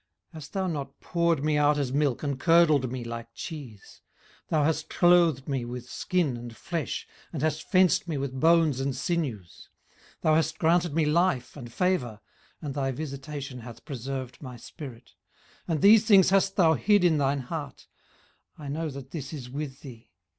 18:010:010 Hast thou not poured me out as milk, and curdled me like cheese? 18:010:011 Thou hast clothed me with skin and flesh, and hast fenced me with bones and sinews. 18:010:012 Thou hast granted me life and favour, and thy visitation hath preserved my spirit. 18:010:013 And these things hast thou hid in thine heart: I know that this is with thee.